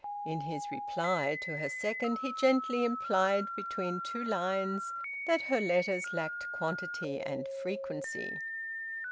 In his reply to her second he gently implied, between two lines, that her letters lacked quantity and frequency.